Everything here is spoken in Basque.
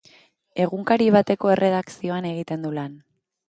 Egunkari bateko erredakzioan egiten du lan.